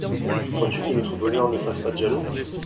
Crois-tu que notre bonheur ne fasse pas de jaloux ?